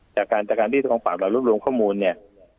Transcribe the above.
จากการที่ทางฝากเรารวมรวมข้อมูลเนี่ย